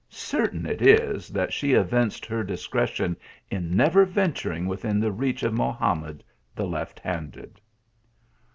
Certain it is, that she evinced her discretion in never venturing within the reach of Mohamed the left handed.